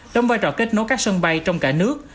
đóng vai trò kết nối các sân bay trong cả nước